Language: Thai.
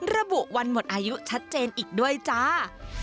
ระบุวันหมดอายุชัดเจนอีกด้วยจ้า